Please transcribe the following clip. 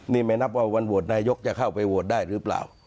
นี่ไม่นับว่าวันโหวตนายกจะเข้าไปโหวตได้หรือเปล่า